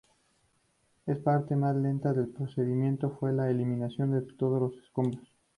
La parte más lenta del procedimiento fue la eliminación de todos los escombros.